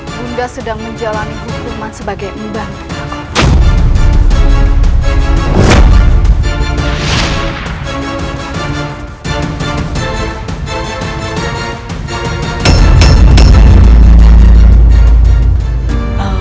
ibu nda sedang menjalani hukuman sebagai umbang